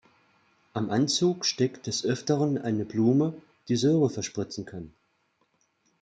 Am Anzug steckt des Öfteren eine Blume, die Säure verspritzen kann.